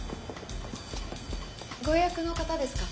ご予約の方ですか？